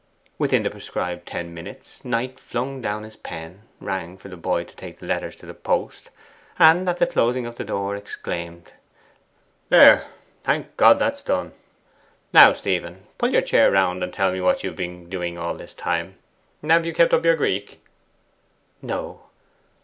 Within the prescribed ten minutes Knight flung down his pen, rang for the boy to take the letters to the post, and at the closing of the door exclaimed, 'There; thank God, that's done. Now, Stephen, pull your chair round, and tell me what you have been doing all this time. Have you kept up your Greek?' 'No.